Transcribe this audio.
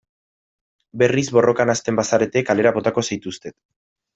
Berriz borrokan hasten bazarete kalera botako zaituztet.